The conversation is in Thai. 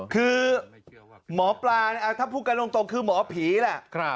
คือหมอปลาถ้าพูดกันตรงคือหมอผีแหละ